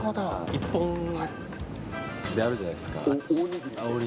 一本であるじゃないですか、握り。